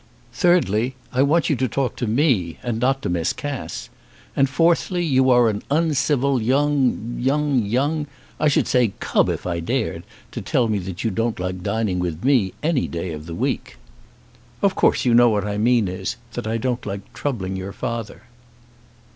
Thirdly, I want you to talk to me, and not to Miss Cass. And fourthly, you are an uncivil young young, young, I should say cub if I dared, to tell me that you don't like dining with me any day of the week." "Of course you know what I mean is, that I don't like troubling your father."